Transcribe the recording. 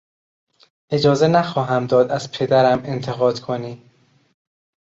اجازه نخواهم داد از پدرم انتقاد کنی!